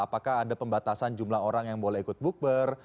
apakah ada pembatasan jumlah orang yang boleh ikut bukber